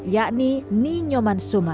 yakni ninyoman suma